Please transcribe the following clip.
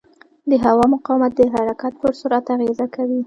د هوا مقاومت د حرکت پر سرعت اغېز کوي.